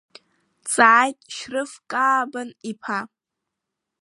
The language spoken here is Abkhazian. Дҵааит Шьрыф Каабан-иԥа.